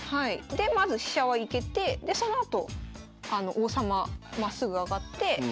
でまず飛車は行けてでそのあと王様まっすぐ上がって銀を引いて。